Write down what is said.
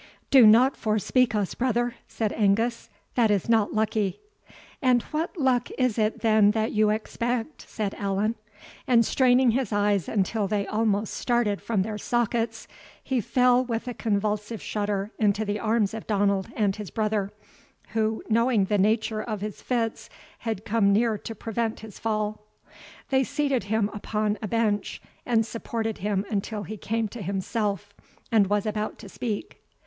"Do not forespeak us, brother," said Angus; "that is not lucky." "And what luck is it then that you expect?" said Allan; and straining his eyes until they almost started from their sockets, he fell with a convulsive shudder into the arms of Donald and his brother, who, knowing the nature of his fits, had come near to prevent his fall. They seated him upon a bench, and supported him until he came to himself, and was about to speak.